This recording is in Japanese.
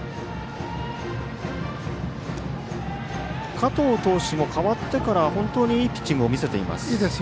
加藤投手も代わってから本当にいいピッチングを見せています。